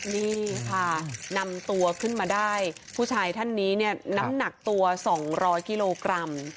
นี่ค่ะนำตัวขึ้นมาได้ผู้ชายท่านนี้เนี่ยน้ำหนักตัว๒๐๐กิโลกรัม